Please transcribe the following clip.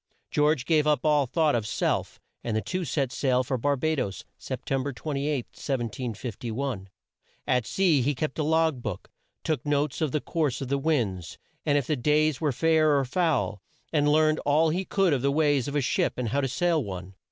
George gave up all thought of self, and the two set sail for Bar ba does, Sep tem ber 28, 1751. At sea he kept a log book, took notes of the course of the winds, and if the days were fair or foul, and learned all he could of the ways of a ship and how to sail one.